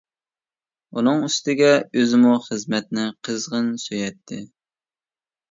ئۇنىڭ ئۈستىگە ئۆزىمۇ خىزمەتنى قىزغىن سۆيەتتى.